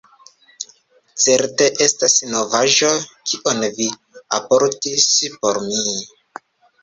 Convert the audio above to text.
Certe estas novaĵo, kion Vi alportis por mi!"